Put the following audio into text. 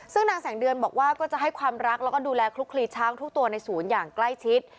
ซึ่งนางแสงเดือนบอกว่าก็จะให้ความรักแล้วก็ดูแลคลุกคลีช้างทุกตัวในศูนย์อย่างใกล้ชิด